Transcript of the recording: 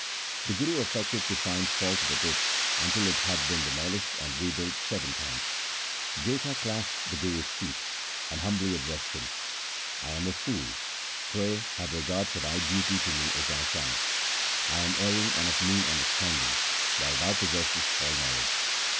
The Guru affected to find fault with it until it had been demolished and rebuilt seven times. Jetha clasped the Guru's feet and humbly addressed him :' I am a fool ; pray have regard for thy duty to me as thy son. I am erring and of mean understanding, while thou possessest all knowledge.'